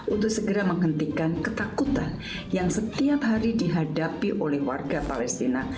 untuk segera menghentikan ketakutan yang setiap hari dihadapi oleh warga palestina